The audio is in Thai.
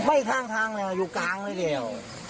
ไม่ข้างทางอยู่กลางไว้เดี๋ยว